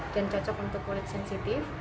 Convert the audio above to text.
dan cocok untuk kulit sensitif